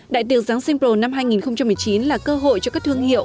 đại tiệc giáng sinh pro năm hai nghìn một mươi chín là cơ hội cho các thương hiệu